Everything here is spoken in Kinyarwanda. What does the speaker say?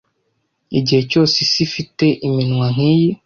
Igihe cyose isi ifite iminwa nkiyi